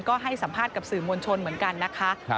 ก็ให้สัมภาษณ์กับสื่อมวลชนเหมือนกันนะคะ